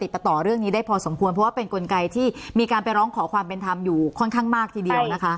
ต่อเรื่องนี้ได้พอสมควรเพราะว่าเป็นกลไกที่มีการไปร้องขอความเป็นธรรมอยู่ค่อนข้างมากทีเดียวนะคะ